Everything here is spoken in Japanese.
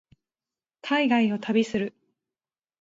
海外を旅する